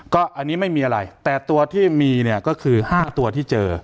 ก็อันนี้ไม่มีอะไรแต่ตัวที่มีเนี่ยก็คือ๕ตัวที่เจอ